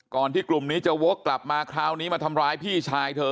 ที่กลุ่มนี้จะวกกลับมาคราวนี้มาทำร้ายพี่ชายเธอ